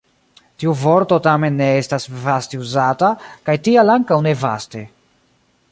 Tiu vorto tamen ne estas vaste uzata, kaj tial ankaŭ ne vaste.